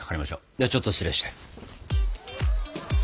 ではちょっと失礼して。